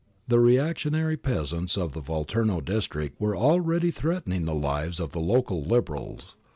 The reactionary peasants of the Volturno district were already threatening the lives of the local Liberals.